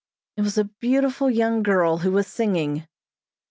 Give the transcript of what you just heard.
It was a beautiful young girl who was singing.